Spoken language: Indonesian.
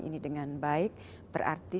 ini dengan baik berarti